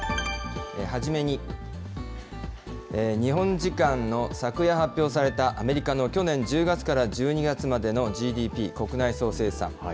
初めに、日本時間の昨夜発表された、アメリカの去年１０月から１２月までのＧＤＰ・国内総生産。